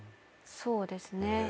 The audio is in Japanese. そうですね。